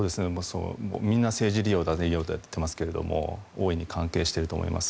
みんな政治利用だと言っていますが大いに関係していると思います。